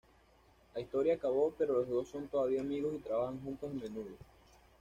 La historia acabó pero los dos son todavía amigos y trabajan juntos a menudo.